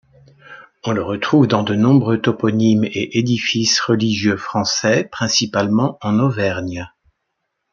On le retrouve dans de nombreux toponymes et édifices religieux français, principalement en Auvergne.